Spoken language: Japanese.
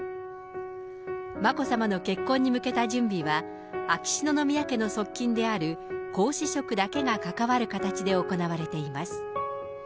眞子さまの結婚に向けた準備は、秋篠宮家の側近である皇嗣職だけが関わる形で行われています。